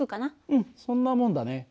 うんそんなもんだね。